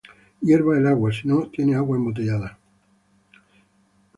Hierva el agua, si no tiene agua embotellada,